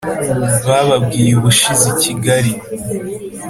bababwiye ubushize ikigali?